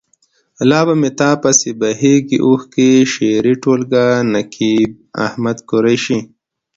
لا به مې تا پسې بهیږي اوښکې. شعري ټولګه. نقيب احمد قریشي.